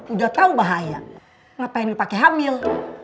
udah tau bahaya ngapain lu pake hamil